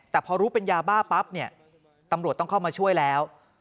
แต่พอรู้เป็นยาบ้าปั๊บเนี่ยตำรวจต้องเข้ามาช่วยแล้ว